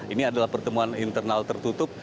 ini adalah pertemuan internal tertutup